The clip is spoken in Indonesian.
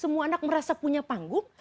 semua anak merasa punya panggung